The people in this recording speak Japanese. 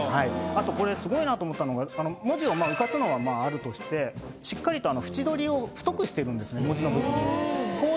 あとこれすごいなと思ったのが文字を浮かすのはあるとしてしっかりと縁どりを太くしてるんです文字の部分。